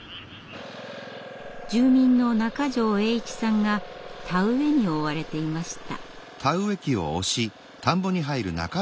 住民の中條栄一さんが田植えに追われていました。